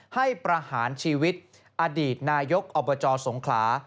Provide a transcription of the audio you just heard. ประหารชีวิตอดีตนายกอบจสงขลา